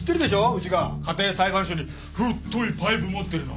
うちが家庭裁判所に太いパイプ持ってるの。